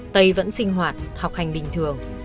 tây vẫn sinh hoạt học hành bình thường